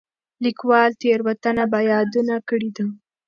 ليکوال تېروتنه يادونه کړې ده.